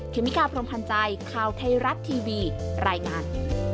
เมกาพรมพันธ์ใจข่าวไทยรัฐทีวีรายงาน